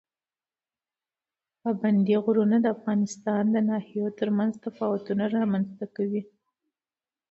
پابندی غرونه د افغانستان د ناحیو ترمنځ تفاوتونه رامنځ ته کوي.